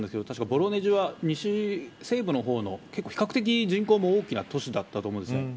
確かボロネジは、西部の方の比較的人口も大きな都市だったと思うんです。